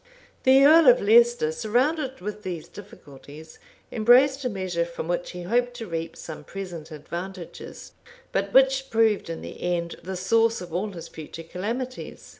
The earl of Leicester, surrounded with these difficulties, embraced a measure, from which he hoped to reap some present advantages, but which proved in the end the source of all his future calamities.